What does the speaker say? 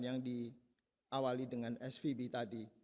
yang diawali dengan svb tadi